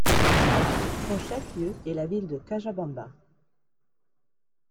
Son chef-lieu est la ville de Cajabamba.